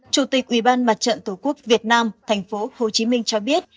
chủ tịch ủy ban mặt trận tổ quốc việt nam thành phố hồ chí minh cho biết